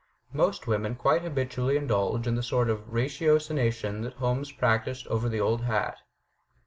Most women quite habitually indulge in the sort of ratiocination that Holmes practised over the old hat.